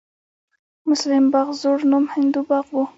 مسلم باغ زوړ نوم هندو باغ و